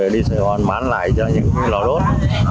đi sài gòn bán lại cho những lò đốt